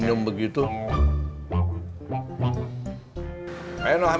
haruslah aku wants this